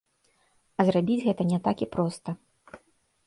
А зрабіць гэта не так і проста.